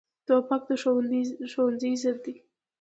توپک د ښوونځي ضد دی.